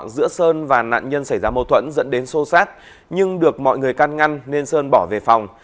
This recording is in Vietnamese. giữa sơn và nạn nhân xảy ra mâu thuẫn dẫn đến xô xát nhưng được mọi người can ngăn nên sơn bỏ về phòng